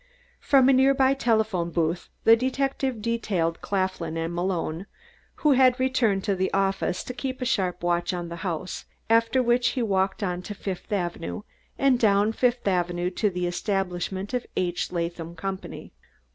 From a near by telephone booth the detective detailed Claflin and Malone, who had returned to the office, to keep a sharp watch on the house, after which he walked on to Fifth Avenue, and down Fifth Avenue to the establishment of the H. Latham Company.